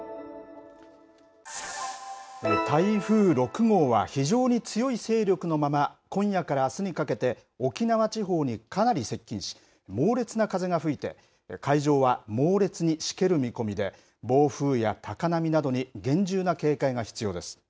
台風６号は非常に強い勢力のまま、今夜からあすにかけて、沖縄地方にかなり接近し、猛烈な風が吹いて、海上は猛烈にしける見込みで、暴風や高波などに厳重な警戒が必要です。